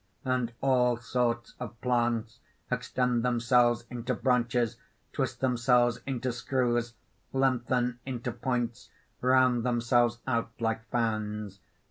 _ _And all sorts of plants extend themselves into branches, twist themselves into screws, lengthen into points, round themselves out like fans.